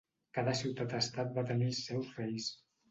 Cada ciutat-estat va tenir els seus reis.